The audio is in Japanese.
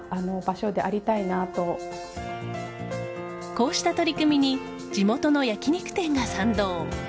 こうした取り組みに地元の焼き肉店が賛同。